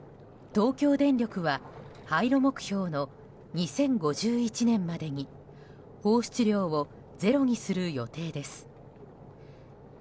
東京電力は廃炉目標の２０５１年までに放出量をゼロにする予定です。